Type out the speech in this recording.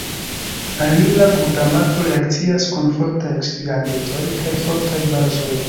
Alila glutamato reakcias kun fortaj oksidigagentoj kaj fortaj bazoj.